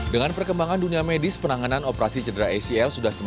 dengan perkembangan dunia medis penanganan operasi cedera acl sudah semakin maju dan canggih